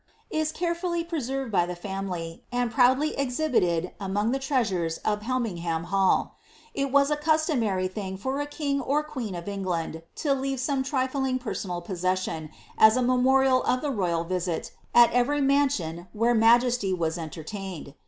is carefully preserved by the family, aud proudly exhibited among the treasures of llelniingham Hall. It was 1 customary thing for a king or queen of England to leave some trifiing pt:rM>nal p<issession, as a memorial of the royal visit at every mansion «here majesty was entertained.